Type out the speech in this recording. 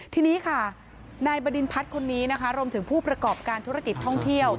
ทีนี้ค่ะนายบดินพัฒน์คนนี้นะคะรวมถึงผู้ประกอบการธุรกิจท่องเที่ยว